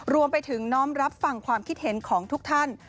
รวมไปถึงน้อมรับฟังความคิดเห็นของทุกท่าน